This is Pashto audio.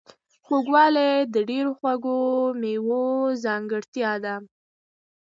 خوږوالی د ډیرو خواږو میوو ځانګړتیا ده.